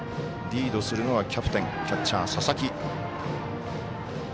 リードするのはキャプテンキャッチャーの佐々木。